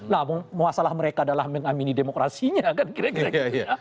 nah masalah mereka adalah mengamini demokrasinya kan kira kira gitu ya